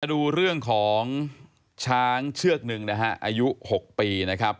ดูเรื่องของช้างเชือกหนึ่งนะฮะอายุ๖ปีนะครับ